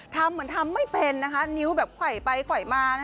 ทำเหมือนทำไม่เป็นนะคะนิ้วแบบไขวไปไขวมา